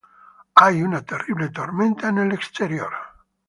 Hay una terrible tormenta en el exterior.